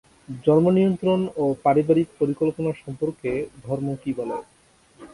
জন্ম নিয়ন্ত্রণ ও পারিবারিক পরিকল্পনা সম্পর্কে ধর্ম কি বলে?